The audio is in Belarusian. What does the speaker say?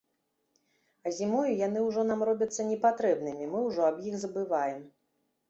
А зімою яны ўжо нам робяцца непатрэбнымі, мы ўжо аб іх забываем.